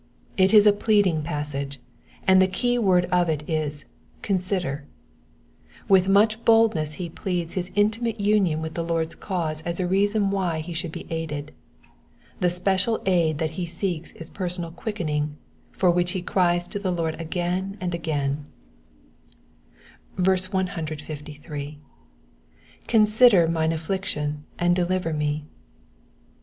It is a pleading passage, and the key word of it i?, *' Consider/' With mnch boldness be pleads his intimate union with the Lord's cause as a reason why he should be aided. The special aid that he «eeks is personal quickening^ for which he cries to the Lord again and agaiiL 153. ^^Conndermins afflldion^ €tnd dditer m^."